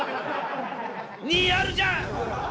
２あるじゃん！